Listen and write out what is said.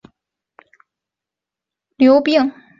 它常用于治疗消化性溃疡以及胃食管反流病。